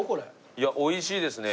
いやおいしいですね。